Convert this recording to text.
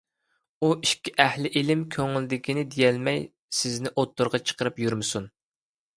ئۇ ئىككى ئەھلى ئىلىم كۆڭلىدىكىنى دېيەلمەي سىزنى ئوتتۇرىغا چىقىرىپ يۈرمىسۇن.